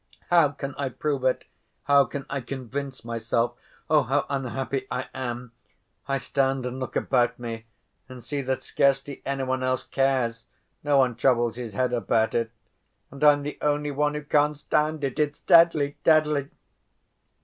How can I prove it? How can I convince myself? Oh, how unhappy I am! I stand and look about me and see that scarcely any one else cares; no one troubles his head about it, and I'm the only one who can't stand it. It's deadly—deadly!"